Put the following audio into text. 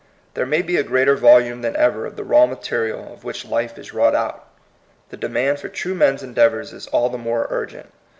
There may be a greater volume than ever of the raw material of which life is wrought out. The demand for true men's endeavors is all the more urgent.